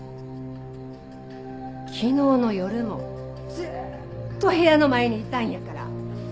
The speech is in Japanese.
昨日の夜もずーっと部屋の前にいたんやから。